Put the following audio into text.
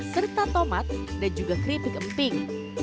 serta tomat dan juga keripik emping